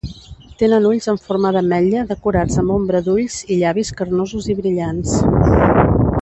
Tenen ulls en forma d'ametlla decorats amb ombra d'ulls i llavis carnosos i brillants.